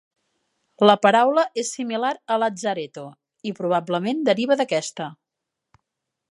La paraula és similar a "lazaretto", i probablement deriva d'aquesta.